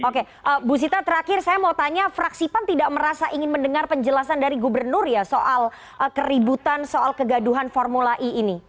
oke bu sita terakhir saya mau tanya fraksi pan tidak merasa ingin mendengar penjelasan dari gubernur ya soal keributan soal kegaduhan formula e ini